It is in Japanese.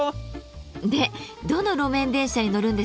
でどの路面電車に乗るんですか？